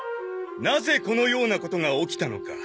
なぜこのようなことが起きたのか。